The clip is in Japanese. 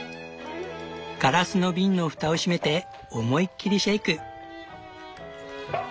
ガラスの瓶の蓋を閉めて思いっきりシェイク！